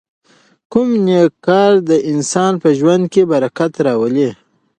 کوم نېک کار د انسان په ژوند کې برکت راولي؟